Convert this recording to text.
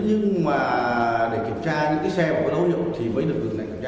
nhưng mà để kiểm tra những cái xe có dấu hiệu thì mới được kiểm tra không có gì kiểm tra